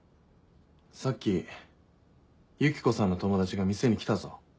さっきユキコさんの友達が店に来たぞ。